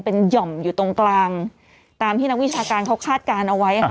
เป็นหย่อมอยู่ตรงกลางตามที่นักวิชาการเขาคาดการณ์เอาไว้